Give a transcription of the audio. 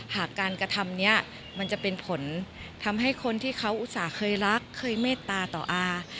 หากการกระทำนี้มันจะเป็นผลทำให้คนที่เขาอุตส่าห์เคยรักเคยเมตตาต่ออา